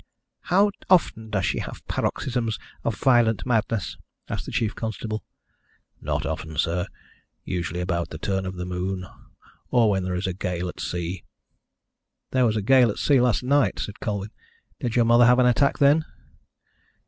"How often does she have paroxysms of violent madness?" asked the chief constable. "Not often, sir; usually about the turn of the moon, or when there is a gale at sea." "There was a gale at sea last night," said Colwyn. "Did your mother have an attack then?"